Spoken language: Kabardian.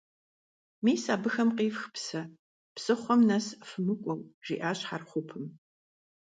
«Мис абыхэм къифх псы, псыхъуэм нэс фымыкӀуэу», - жиӀащ Хьэрхъупым.